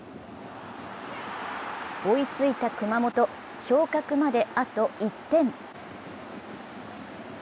追いついた熊本、昇格まであと１本。